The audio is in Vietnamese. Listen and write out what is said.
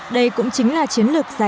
đây cũng chính là chiến lược giải hóa